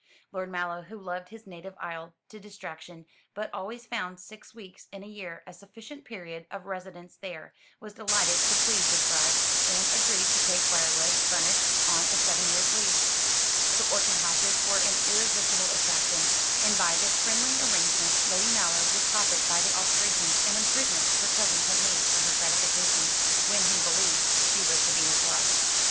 Lord Mallow, who loved his native isle to distraction, but always found six weeks in a year a sufficient period of residence there, was delighted to please his bride, and agreed to take Briarwood, furnished, on a seven years' lease. The orchid houses were an irresistible attraction, and by this friendly arrangement Lady Mallow would profit by the alterations and improvements her cousin had made for her gratification, when he believed she was to be his wife.